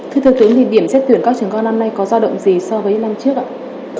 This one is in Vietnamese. thưa thưa tướng thì điểm xét tuyển các trường công an năm nay có do động gì so với năm trước ạ